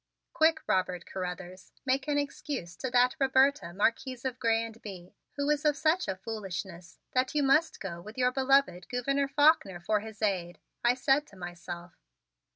"Quick, Robert Carruthers, make an excuse to that Roberta, Marquise of Grez and Bye, who is of such a foolishness, that you must go with your beloved Gouverneur Faulkner for his aid," I said to myself.